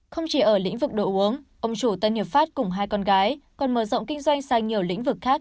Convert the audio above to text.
không chỉ ở lĩnh vực đồ uống ông chủ tân hiệp pháp cùng hai con gái còn mở rộng kinh doanh sang nhiều lĩnh vực khác